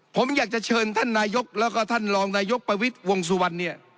ผมอยากจะเชิญท่านนายกแล้วก็ท่านรองนายกประวิทย์วงสุวรรณเนี่ย